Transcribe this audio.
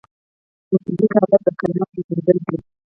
د فزیک هدف د کائنات پېژندل دي.